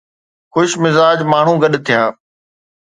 خوش مزاج ماڻهو گڏ ٿيا.